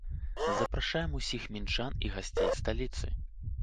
Запрашаем усіх мінчан і гасцей сталіцы!